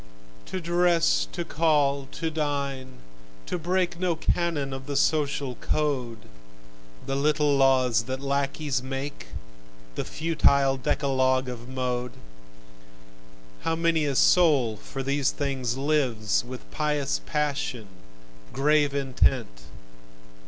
To dress, to call, to dine, to break No canon of the social code, The little laws that lacqueys make, The futile decalogue of Mode, How many a soul for these things lives, With pious passion, grave intent!